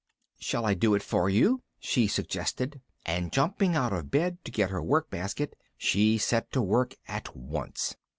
"Shall I do it for you?" she suggested, and, jumping out of bed to get her work basket, she set to work at once.